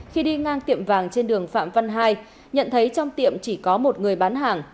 khi đi ngang tiệm vàng trên đường phạm văn hai nhận thấy trong tiệm chỉ có một người bán hàng